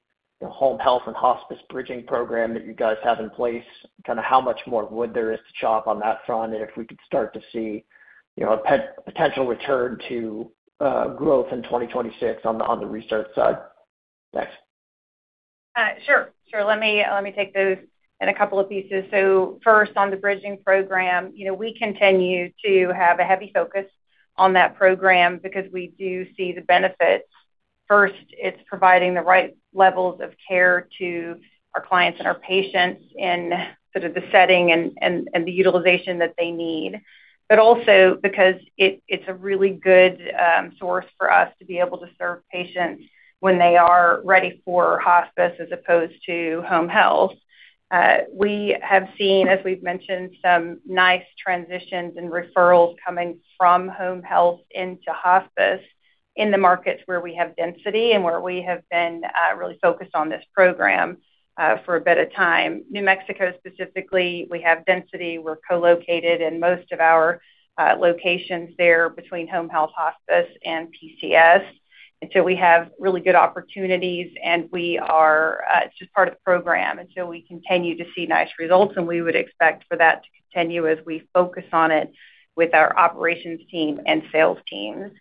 Home Health and Hospice bridging program that you guys have in place? Kind of how much more wood there is to chop on that front, if we could start to see, you know, potential return to growth in 2026 on the research side. Thanks. Sure. Sure. Let me take those in a couple of pieces. First, on the bridging program, you know, we continue to have a heavy focus on that program because we do see the benefits. First, it's providing the right levels of care to our clients and our patients in sort of the setting and the utilization that they need. Also because it's a really good source for us to be able to serve patients when they are ready for hospice as opposed to Home Health. We have seen, as we've mentioned, some nice transitions and referrals coming from Home Health into Hospice in the markets where we have density and where we have been really focused on this program for a bit of time. New Mexico, specifically, we have density. We're co-located in most of our locations there between Home Health, Hospice, and PCS. We have really good opportunities, and we are, it's just part of the program, we continue to see nice results, and we would expect for that to continue as we focus on it with our operations team and sales teams.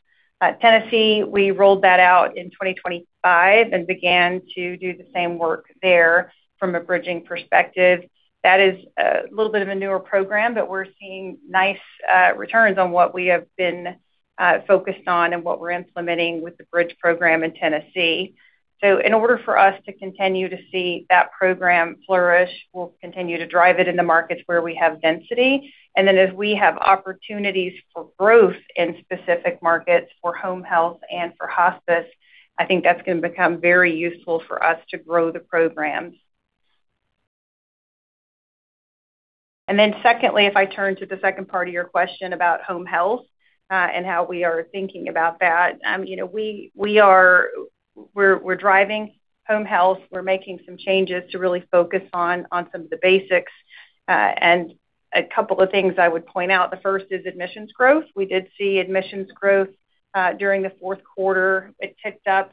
Tennessee, we rolled that out in 2025 and began to do the same work there from a bridging perspective. That is a little bit of a newer program, but we're seeing nice returns on what we have been focused on and what we're implementing with the bridge program in Tennessee. In order for us to continue to see that program flourish, we'll continue to drive it in the markets where we have density. As we have opportunities for growth in specific markets for Home Health and for Hospice, I think that's going to become very useful for us to grow the programs. Secondly, if I turn to the second part of your question about Home Health, and how we are thinking about that, we're driving Home Health. We're making some changes to really focus on some of the basics. A couple of things I would point out. The first is admissions growth. We did see admissions growth during the fourth quarter. It ticked up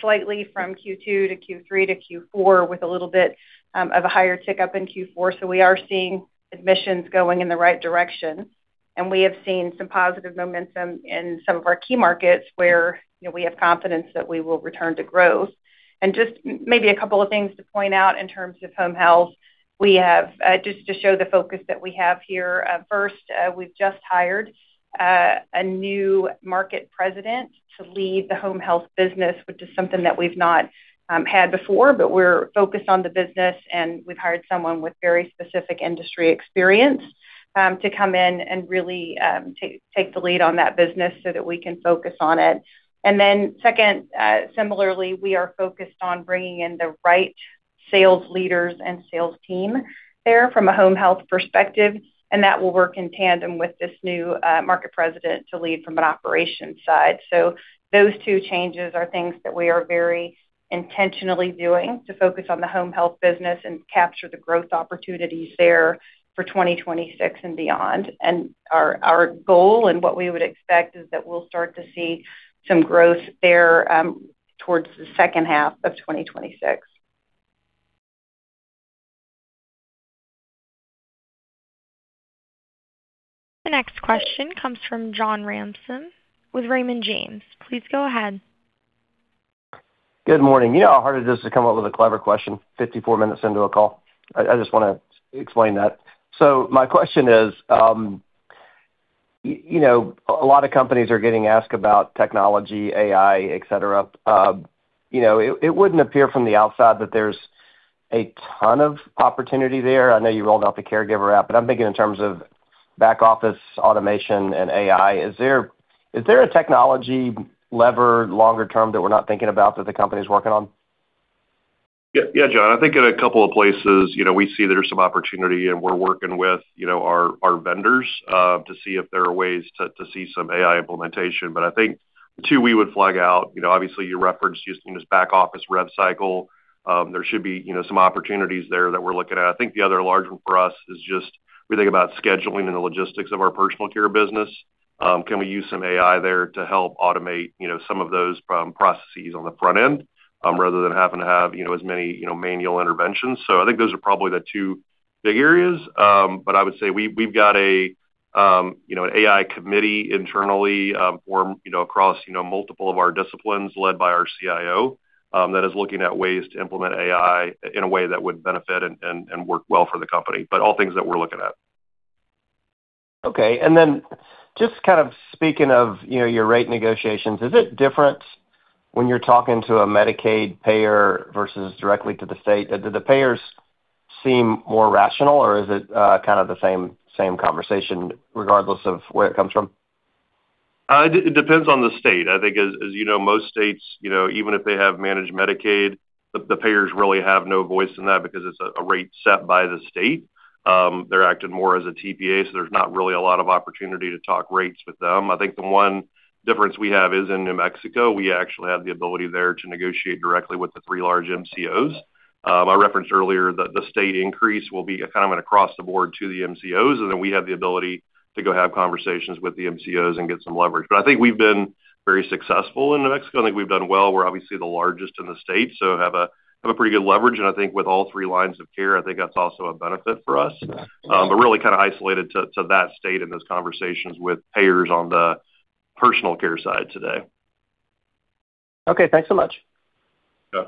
slightly from Q2 to Q3 to Q4, with a little bit of a higher tick up in Q4. We are seeing admissions going in the right direction, and we have seen some positive momentum in some of our key markets, where, you know, we have confidence that we will return to growth. Just maybe a couple of things to point out in terms of Home Health. We have, just to show the focus that we have here. First, we've just hired a new market president to lead the Home Health business, which is something that we've not had before, but we're focused on the business, and we've hired someone with very specific industry experience to come in and really take the lead on that business so that we can focus on it. Second, similarly, we are focused on bringing in the right sales leaders and sales team there from a Home Health perspective, and that will work in tandem with this new market president to lead from an operations side. Those two changes are things that we are very intentionally doing to focus on the Home Health business and capture the growth opportunities there for 2026 and beyond. Our goal and what we would expect is that we'll start to see some growth there towards the second half of 2026. The next question comes from John Ransom with Raymond James. Please go ahead. Good morning. You know how hard it is to come up with a clever question 54 minutes into a call? I just want to explain that. My question is, you know, a lot of companies are getting asked about technology, AI, et cetera. You know, it wouldn't appear from the outside that there's a ton of opportunity there. I know you rolled out the caregiver app, Addus Connect, but I'm thinking in terms of back office automation and AI. Is there a technology lever longer term that we're not thinking about that the company is working on? Yeah, yeah, John, I think in a couple of places, you know, we see there's some opportunity, and we're working with, you know, our vendors to see if there are ways to see some AI implementation. I think the two we would flag out, you know, obviously, you referenced using this back office revenue cycle. There should be, you know, some opportunities there that we're looking at. I think the other large one for us is just we think about scheduling and the logistics of our personal care business. Can we use some AI there to help automate, you know, some of those processes on the front end, rather than having to have, you know, as many, you know, manual interventions? I think those are probably the two big areas. I would say we've got a, you know, an AI committee internally, formed, you know, across, you know, multiple of our disciplines, led by our CIO, that is looking at ways to implement AI in a way that would benefit and work well for the company. All things that we're looking at. Okay. Then just kind of speaking of, you know, your rate negotiations, is it different when you're talking to a Medicaid payer versus directly to the state? Do the payers seem more rational, or is it kind of the same conversation regardless of where it comes from? It depends on the state. I think as you know, most states, you know, even if they have managed Medicaid, the payers really have no voice in that because it's a rate set by the state. They're acting more as a TPA, so there's not really a lot of opportunity to talk rates with them. I think the one difference we have is in New Mexico. We actually have the ability there to negotiate directly with the three large MCOs. I referenced earlier that the state increase will be kind of an across the board to the MCOs, and then we have the ability to go have conversations with the MCOs and get some leverage. I think we've been very successful in New Mexico, and I think we've done well. We're obviously the largest in the state, so have a pretty good leverage, and I think with all three lines of care, I think that's also a benefit for us. Really kind of isolated to that state in those conversations with payers on the personal care side today. Okay, thanks so much. Yeah.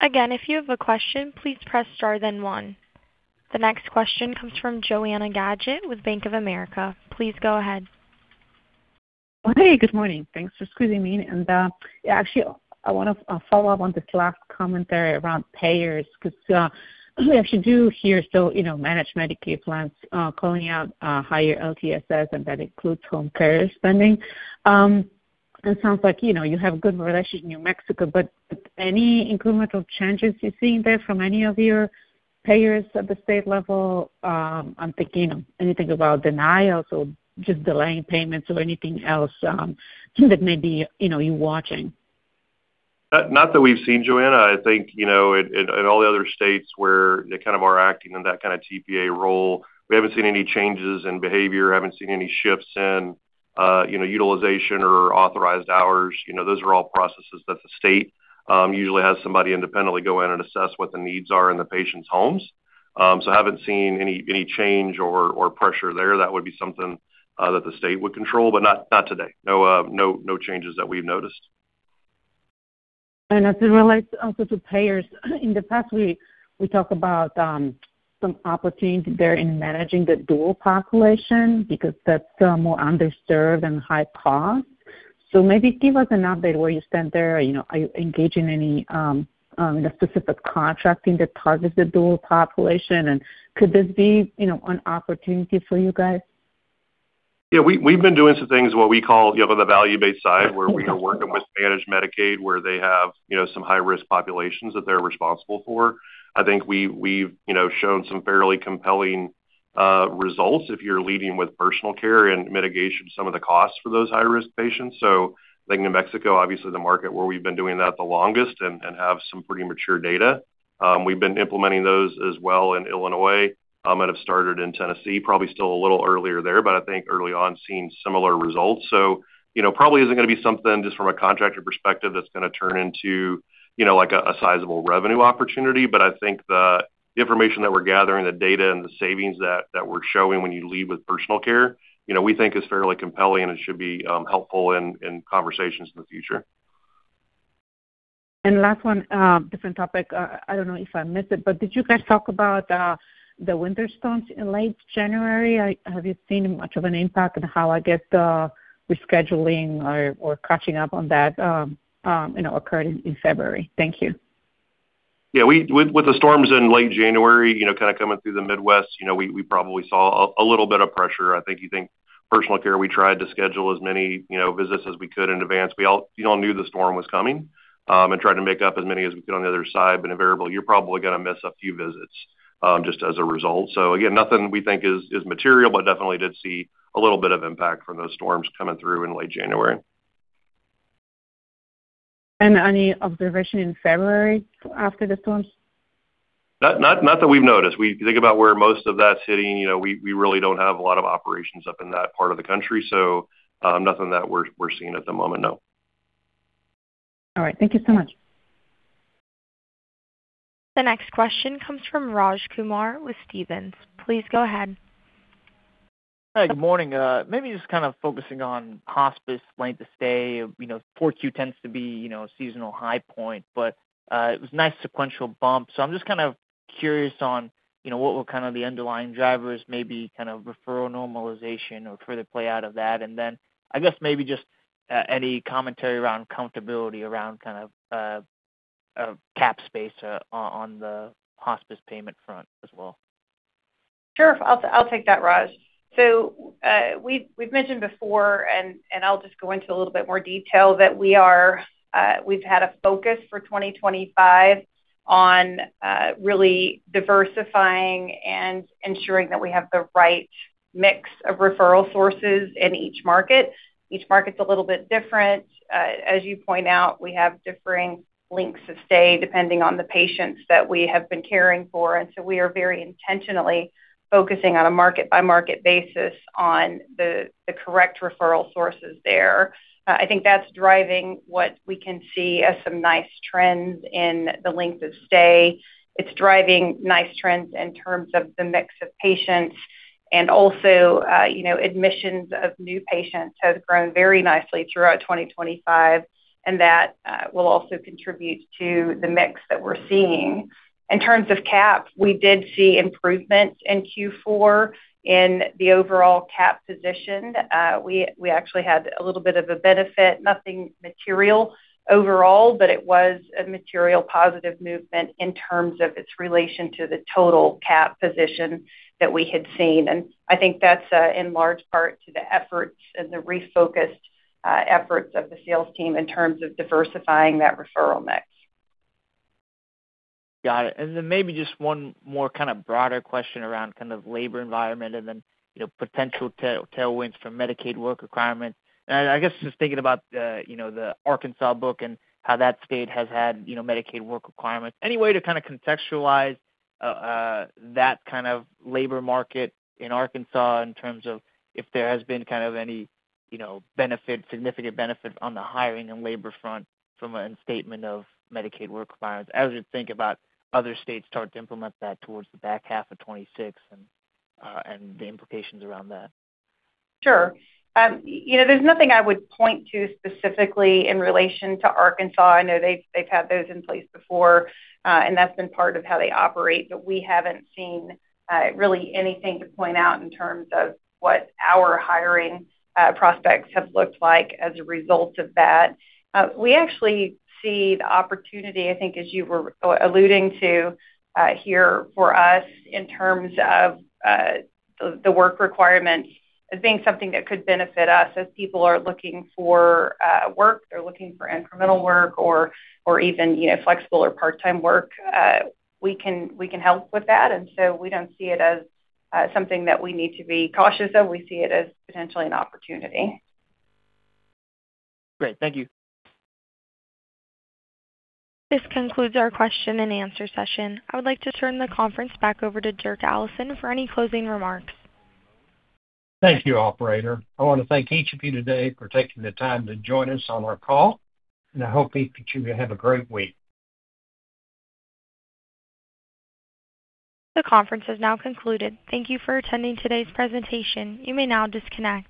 Again, if you have a question, please press star, then one. The next question comes from Joanna Gajuk with Bank of America. Please go ahead. Hey, good morning. Thanks for squeezing me in. Yeah, actually, I wanna follow up on this last commentary around payers, because we actually do hear so, you know, managed Medicaid plans calling out higher LTSS, and that includes Home Care spending. It sounds like, you know, you have good relations in New Mexico, any incremental changes you're seeing there from any of your payers at the state level? I'm thinking anything about denials or just delaying payments or anything else, that may be, you know, you're watching. Not that we've seen, Joanna. I think, you know, in all the other states where they kind of are acting in that kind of TPA role, we haven't seen any changes in behavior, haven't seen any shifts in, you know, utilization or authorized hours. You know, those are all processes that the state usually has somebody independently go in and assess what the needs are in the patients' homes. I haven't seen any change or pressure there. That would be something that the state would control, but not today. No, no changes that we've noticed. As it relates also to payers, in the past, we talked about some opportunities there in managing the dual population because that's more underserved and high cost. Maybe give us an update where you stand there. You know, are you engaging any specific contracting that targets the dual population? Could this be, you know, an opportunity for you guys? Yeah, we've been doing some things, what we call, you know, on the value-based side, where we are working with managed Medicaid, where they have, you know, some high-risk populations that they're responsible for. I think we've, you know, shown some fairly compelling results if you're leading with personal care and mitigation some of the costs for those high-risk patients. I think New Mexico, obviously the market where we've been doing that the longest and have some pretty mature data. We've been implementing those as well in Illinois and have started in Tennessee, probably still a little earlier there, but I think early on, seeing similar results. You know, probably isn't gonna be something just from a contractor perspective that's gonna turn into, you know, like a sizable revenue opportunity. I think the information that we're gathering, the data and the savings that we're showing when you lead with personal care, you know, we think is fairly compelling, and it should be helpful in conversations in the future. Last one, different topic. I don't know if I missed it, but did you guys talk about the winter storms in late January? Have you seen much of an impact on how, I guess, the rescheduling or catching up on that, you know, occurred in February? Thank you. Yeah, with the storms in late January, you know, kind of coming through the Midwest, you know, we probably saw a little bit of pressure. I think you think personal care, we tried to schedule as many, you know, visits as we could in advance. We all knew the storm was coming, and tried to make up as many as we could on the other side, but invariably, you're probably gonna miss a few visits, just as a result. Again, nothing we think is material, but definitely did see a little bit of impact from those storms coming through in late January. Any observation in February after the storms? Not that we've noticed. We think about where most of that's hitting, you know, we really don't have a lot of operations up in that part of the country, so, nothing that we're seeing at the moment, no. All right. Thank you so much. The next question comes from Raj Kumar with Stephens. Please go ahead. Hi, good morning. Maybe just kind of focusing on Hospice length of stay. You know, 4Q tends to be, you know, a seasonal high point, it was a nice sequential bump. I'm just kind of curious on, you know, what were kind of the underlying drivers, maybe kind of referral normalization or further play out of that. I guess maybe just any commentary around accountability, around kind of a CAP space on the Hospice payment front as well. Sure. I'll take that, Raj. we've mentioned before, and I'll just go into a little bit more detail, that we are, we've had a focus for 2025 on really diversifying and ensuring that we have the right mix of referral sources in each market. Each market's a little bit different. As you point out, we have differing lengths of stay, depending on the patients that we have been caring for, we are very intentionally focusing on a market-by-market basis on the correct referral sources there. I think that's driving what we can see as some nice trends in the length of stay. It's driving nice trends in terms of the mix of patients and also, you know, admissions of new patients have grown very nicely throughout 2025, and that will also contribute to the mix that we're seeing. In terms of CAP, we did see improvements in Q4 in the overall CAP position. We actually had a little bit of a benefit, nothing material overall, but it was a material positive movement in terms of its relation to the total CAP position that we had seen. I think that's in large part to the efforts and the refocused efforts of the sales team in terms of diversifying that referral mix. Got it. Maybe just one more kind of broader question around kind of labor environment and then, you know, potential tailwinds from Medicaid work requirements. I guess just thinking about the, you know, the Arkansas book and how that state has had, you know, Medicaid work requirements. Any way to kind of contextualize that kind of labor market in Arkansas in terms of if there has been kind of any, you know, benefit, significant benefit on the hiring and labor front from a statement of Medicaid work requirements, as you think about other states start to implement that towards the back half of 2026 and the implications around that? Sure. You know, there's nothing I would point to specifically in relation to Arkansas. I know they've had those in place before, and that's been part of how they operate. We haven't seen really anything to point out in terms of what our hiring prospects have looked like as a result of that. We actually see the opportunity, I think, as you were alluding to, here for us, in terms of, the work requirement as being something that could benefit us. As people are looking for work, they're looking for incremental work or even, you know, flexible or part-time work, we can help with that. We don't see it as something that we need to be cautious of. We see it as potentially an opportunity. Great. Thank you. This concludes our question and answer session. I would like to turn the conference back over to Dirk Allison for any closing remarks. Thank you, operator. I want to thank each of you today for taking the time to join us on our call. I hope each of you have a great week. The conference has now concluded. Thank you for attending today's presentation. You may now disconnect.